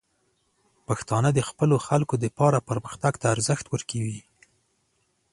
پښتانه د خپلو خلکو لپاره پرمختګ ته ارزښت ورکوي.